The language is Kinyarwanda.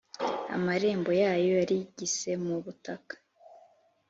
Amarembo yayo yarigise mu butaka,